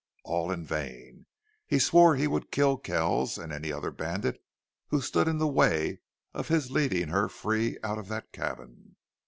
All in vain! He swore he would kill Kells and any other bandit who stood in the way of his leading her free out of that cabin.